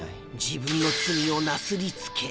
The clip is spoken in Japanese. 自分の罪をなすりつけ